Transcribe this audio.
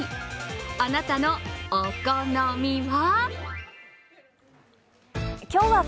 あなたのお好みは？